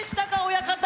親方。